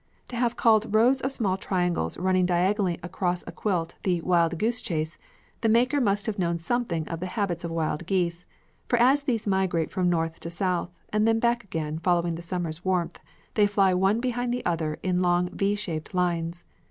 To have called rows of small triangles running diagonally across a quilt the "Wild Goose Chase," the maker must have known something of the habits of wild geese, for as these migrate from North to South and back again following the summer's warmth, they fly one behind the other in long V shaped lines.